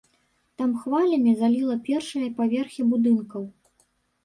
Там хвалямі заліло першыя паверхі будынкаў.